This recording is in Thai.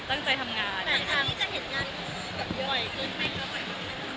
อันนี้จะเห็นงานบ่อยขึ้นไหม